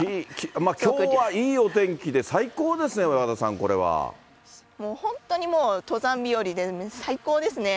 きょうはいいお天気で、最高ですね、和田さん、もう本当にもう、登山日和で最高ですね。